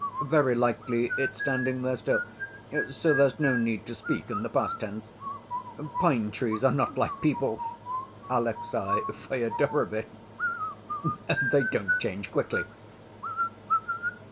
Very likely it's standing there still; so there's no need to speak in the past tense. Pine‐trees are not like people, Alexey Fyodorovitch, they don't change quickly.